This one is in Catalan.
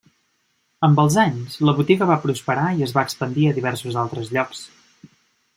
Amb els anys, la botiga va prosperar i es va expandir a diversos altres llocs.